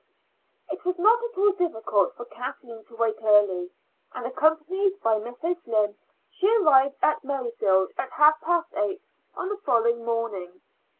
It was not at all difficult for Kathleen to wake early, and accompanied by Miss O'Flynn, she arrived at Merrifield at half past eight on the following morning.